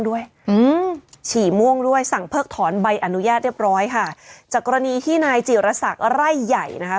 ด้วยอืมฉี่ม่วงด้วยสั่งเพิกถอนใบอนุญาตเรียบร้อยค่ะจากกรณีที่นายจิรษักไร่ใหญ่นะคะ